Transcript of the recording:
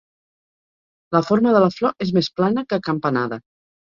La forma de la flor és més plana que acampanada.